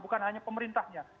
bukan hanya pemerintahnya